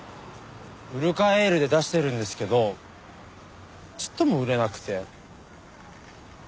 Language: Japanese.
ウルカエールで出してるんですけどちっとも売れなくて。